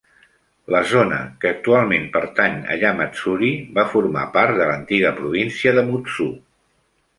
La zona que actualment pertany a Yamatsuri va formar part de l'antiga província de Mutsu.